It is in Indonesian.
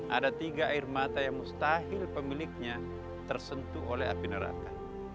ada tiga air mata yang mustahil pemiliknya tersentuh oleh api neraka